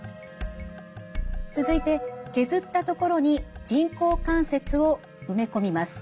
続いて削った所に人工関節を埋め込みます。